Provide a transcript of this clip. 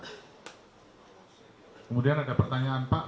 kemudian ada pertanyaan pak